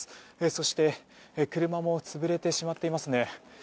そして車も潰れてしまっていますね。